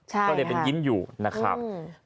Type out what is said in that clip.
ก็เลยเป็นยิ้มอยู่นะครับ